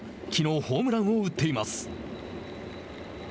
きのうホームランを打っています。